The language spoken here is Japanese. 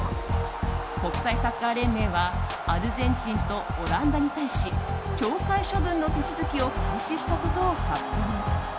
国際サッカー連盟はアルゼンチンとオランダに対し懲戒処分の手続きを開始したことを発表。